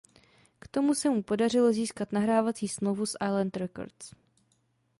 K tomu se mu podařilo získat nahrávací smlouvu s Island Records.